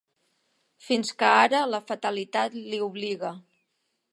Fins que ara la fatalitat l'hi obliga.